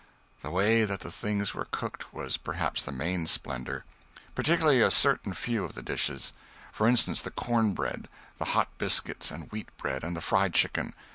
The way that the things were cooked was perhaps the main splendor particularly a certain few of the dishes. For instance, the corn bread, the hot biscuits and wheat bread, and the fried chicken.